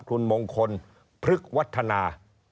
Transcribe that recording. คุณมงคลพฤกษวัฒนา